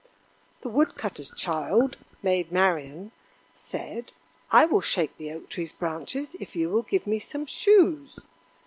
The wood cutter's child, Maid Marian, said: "I will shake the Oak tree's branches if you will give me some shoes."